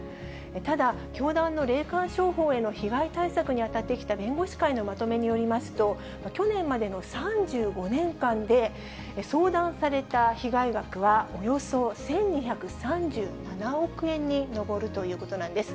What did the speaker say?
ただ、教団の霊感商法への被害対策に当たってきた弁護士会のまとめによりますと、去年までの３５年間で、相談された被害額は、およそ１２３７億円に上るということなんです。